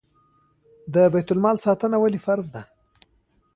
د بیت المال ساتنه ولې فرض ده؟